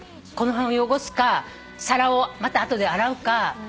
この辺を汚すか皿をまた後で洗うか。